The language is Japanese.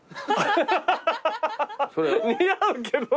似合うけど。